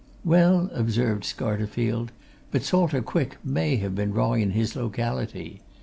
"Well," observed Scarterfield, "but Salter Quick may have been wrong in his locality.